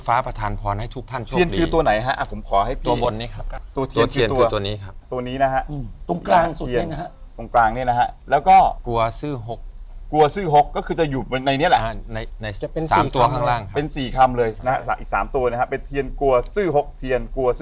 ฟ้าประทานพรให้ทุกท่านโชคดี